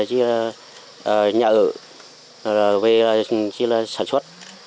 cái thứ ba là về nhà ở về sản xuất